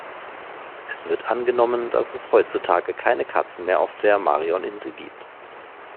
Es wird angenommen, dass es heutzutage keine Katzen mehr auf der Marion-Insel gibt.